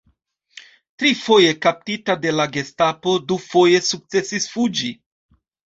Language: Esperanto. Trifoje kaptita de la gestapo, dufoje sukcesis fuĝi.